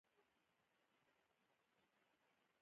د افغانستان سیندونه هم تاریخي دي.